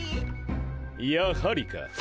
やはりか。